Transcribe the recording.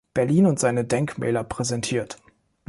Berlin und seine Denkmäler“ präsentiert.